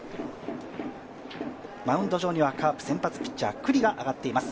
マウンド上にはカープ先発ピッチャー・九里が上がっています。